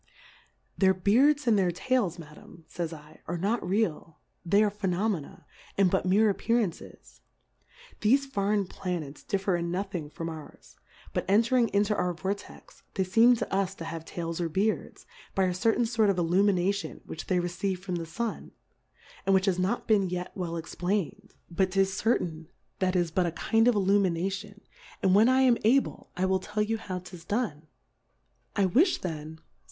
Their Beards and their Tails, Ma dam, /^w /, are not real, they are P/;^ nomena^ and but meer Appearances. Thefe foreign Planets differ m nothino from ours ; but entringinto our Vortex, they feem to us to have Tails or Beards by a certain fort of Illumination which they receive from the Sun, and which has not been yet well explained. Eu : H 5 'tis 154 Difcourfes On the 'tis certain, that is but a kind of Illu mination, and when I am able I will tell you how 'tis done. I wifli then,y^j^.